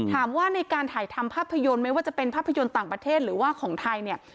ถามว่าในการถ่ายทำภาพยนตร์ไม่ว่าจะเป็นภาพยนตร์ต่างประเทศหรือว่าของไทยเนี่ย